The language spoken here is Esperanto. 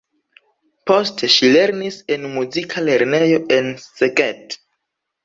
Poste ŝi lernis en muzika lernejo en Szeged.